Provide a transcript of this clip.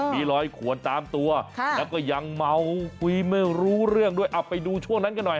มีรอยขวนตามตัวแล้วก็ยังเมาคุยไม่รู้เรื่องด้วยเอาไปดูช่วงนั้นกันหน่อย